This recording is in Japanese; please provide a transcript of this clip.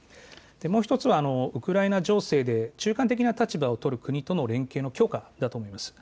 もう一つは、ウクライナ情勢で中間的な立場を取る国々の連携の強化だと思います。